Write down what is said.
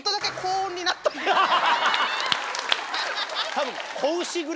多分。